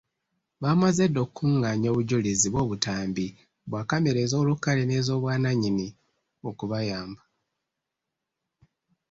Baamaze dda okukungaanya obujulizi bw’obutambi bwa kkamera ez’olukale n’ez'obwannannyini okubayamba.